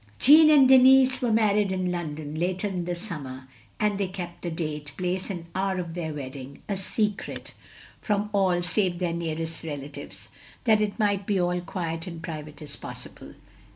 Jeanne and Denis were married in London, later in the summer, and they kept the date, place, and hour of their wedding a secret from as 386 THE LONELY LADY all save their nearest relatives, that it might be as quiet and private as possible.